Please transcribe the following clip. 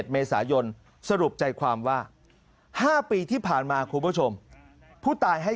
เมษายนสรุปใจความว่า๕ปีที่ผ่านมาคุณผู้ชมผู้ตายให้